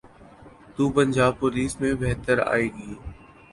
تو پنجاب پولیس میں بہتری آئے گی۔